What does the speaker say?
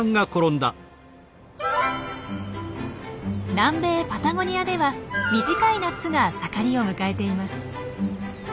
南米パタゴニアでは短い夏が盛りを迎えています。